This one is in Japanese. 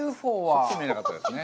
ちょっと見えなかったですね。